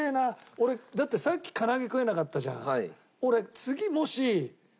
俺だってさっきから揚げ食えなかったじゃん。